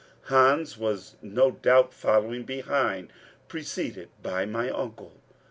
Hans was no doubt following behind preceded by my uncle.